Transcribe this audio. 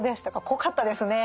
濃かったですね。